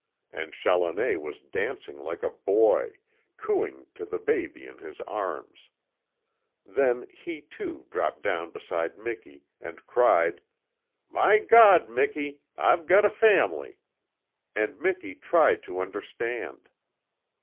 And Challoner was dancing like a boy cooing to the baby in his arms. Then he, too, dropped down beside Miki, and cried: "My Gawd! Miki I'VE GOT A FAM'LY!" And Miki tried to understand.